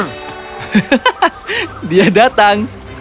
hahaha dia datang